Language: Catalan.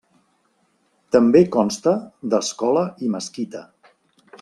També consta d'escola i mesquita.